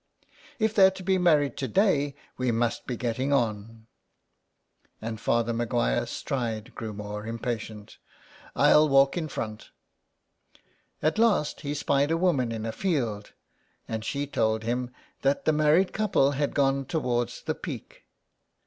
" If they're to be married to day we must be getting on." And Father Maguire's stride grew more impatient. " I'll walk on in front." At last he spied a woman in a field, and she told him that the married couple had gone towards the Peak.